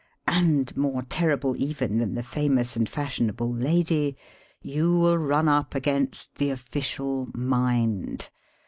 And, more terrible even than the famous and fashionable lady, you will run up against the Official Mind.